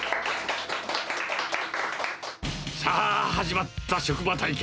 さあ、始まった職場体験。